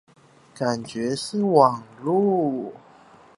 感覺是網路